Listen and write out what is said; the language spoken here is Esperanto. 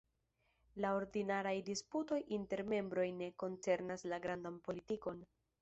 La ordinaraj disputoj inter membroj ne koncernas la grandan politikon.